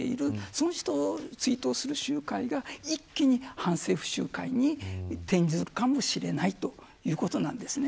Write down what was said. そういう人を追悼する集会が一気に反政府集会に転ずるかもしれないということなんですね。